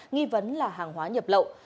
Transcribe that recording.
nghi vấn là hàng hóa nhập lậu